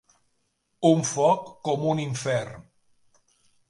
Un foc com un infern.